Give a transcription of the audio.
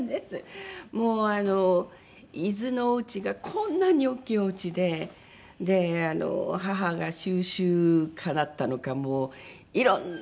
もう伊豆のお家がこんなに大きいお家で母が収集家だったのかもういろんなものがあって。